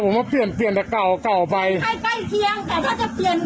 ผมมาเปลี่ยนเปลี่ยนแต่เก่าเก่าไปให้ใกล้เคียงแต่ถ้าจะเปลี่ยน